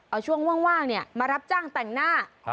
เอาช่วงว่างมารับจ้างแต่งหน้า